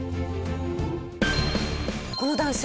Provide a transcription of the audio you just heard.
この男性